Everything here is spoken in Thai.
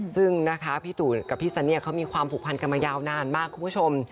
ซึ่งนะคะพี่ตูนกับพี่ซันเนี่ยเขามีความผูกพันกันมายาวนานมากคุณผู้ชม